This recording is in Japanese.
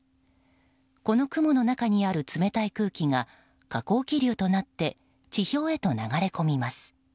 この雲の中にある冷たい空気が下降気流となって地表へと流れ込みます。